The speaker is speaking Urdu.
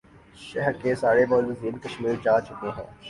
شہر کے سارے معززین کشمیر جا چکے ہیں